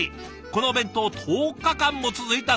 このお弁当１０日間も続いたそうです。